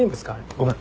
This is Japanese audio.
ごめん。